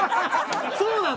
そうなの？